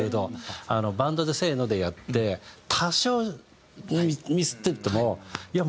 バンドで「せーの」でやって多少ミスっててもいや